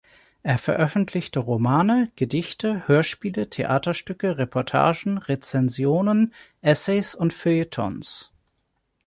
Er veröffentlichte Romane, Gedichte, Hörspiele, Theaterstücke, Reportagen, Rezensionen, Essays und Feuilletons.